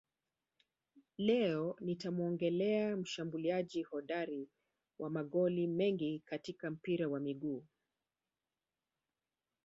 Leo nitamuongelea mshambuliaji hodari wa magoli mengi katika mpira wa miguu